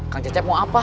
kang cecep mau apa